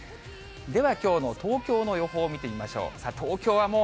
ではきょうの東京の予報を見てみましょう。